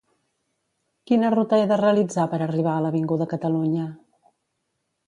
Quina ruta he de realitzar per arribar a l'Avinguda Catalunya?